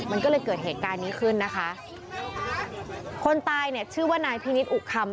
มันก็เลยเกิดเหตุการณ์นี้ขึ้นนะคะคนตายเนี่ยชื่อว่านายพินิศอุคำ